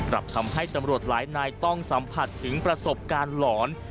ทำให้ตำรวจหลายนายต้องสัมผัสถึงประสบการณ์หลอน